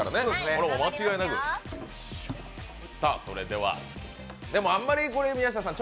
これは間違いなくあんまり宮下さん